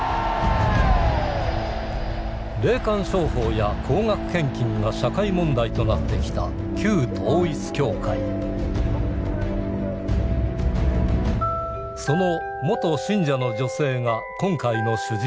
霊感商法や高額献金が社会問題となってきたその元信者の女性が今回の主人公。